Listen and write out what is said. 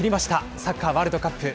サッカーワールドカップ。